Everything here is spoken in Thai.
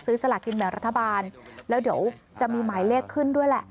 สลากินแบ่งรัฐบาลแล้วเดี๋ยวจะมีหมายเลขขึ้นด้วยแหละ